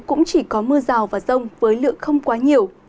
cũng chỉ có mưa rào và rông với lượng không quá nhiều